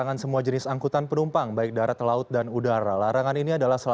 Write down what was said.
untuk kereta api tanggal delapan juni untuk transportasi laut dan satu juni untuk transportasi udara